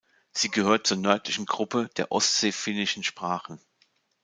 Sie gehört zur nördlichen Gruppe der ostseefinnischen Sprachen.